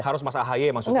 harus mas ahy maksudnya